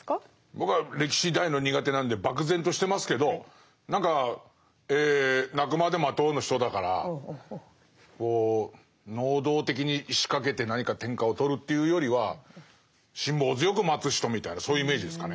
僕は歴史大の苦手なので漠然としてますけど何か「鳴くまで待とう」の人だから能動的に仕掛けて何か天下を取るというよりは辛抱強く待つ人みたいなそういうイメージですかね。